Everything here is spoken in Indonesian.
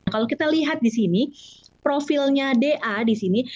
kalau kita lihat di sini profilnya da di sini